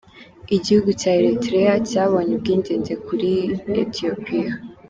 Igihugu cya Eritrea cyabonye ubwigenge kuri Ethiopia.